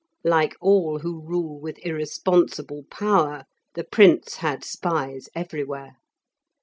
Like all who rule with irresponsible power, the Prince had spies everywhere.